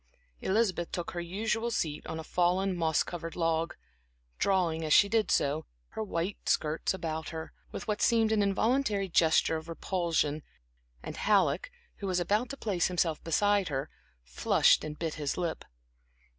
Elizabeth took her usual seat on a fallen moss covered log, drawing, as she did so, her white skirts about her, with what seemed an involuntary gesture of repulsion, and Halleck, who was about to place himself beside her, flushed and bit his lip.